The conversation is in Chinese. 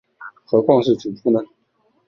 何况是主簿呢？